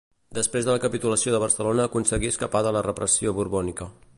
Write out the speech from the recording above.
Després de la capitulació de Barcelona aconseguí escapar de la repressió borbònica.